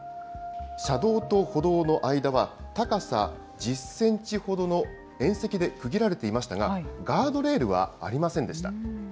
車道と歩道の間は、高さ１０センチほどの縁石で区切られていましたが、ガードレールはありませんでした。